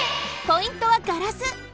ポイントはガラス！